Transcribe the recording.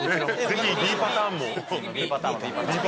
ぜひＢパターンも。